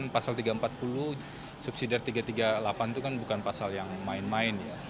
pasal tiga ratus empat puluh subsidi tiga ratus tiga puluh delapan itu kan bukan pasal yang main main ya